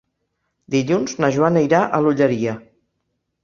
Dilluns na Joana irà a l'Olleria.